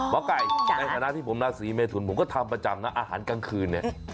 ไก่ในฐานะที่ผมราศีเมทุนผมก็ทำประจำนะอาหารกลางคืนเนี่ย